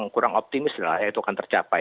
kurang optimis lah itu akan tercapai